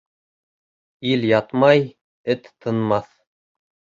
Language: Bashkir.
Ил ятмай эт тынмаҫ.